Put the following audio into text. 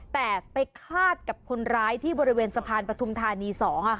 แต่ไปคาดกับคนร้ายที่บริเวณสะพานปฐุมธานี๒